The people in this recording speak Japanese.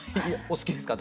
お好きですか？